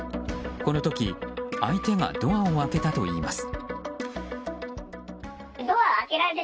この時、相手がドアを開けたといいます。